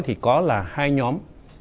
thì có là hai nhóm